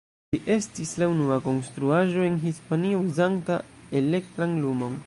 Ĝi estis la unua konstruaĵo en Hispanio uzanta elektran lumon.